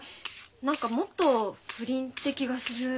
何かもっと不倫って気がする。